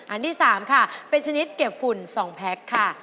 อันที่๓ค่ะเป็นชนิดเก็บฝุ่น๒แพ็คค่ะ